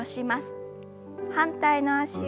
反対の脚を。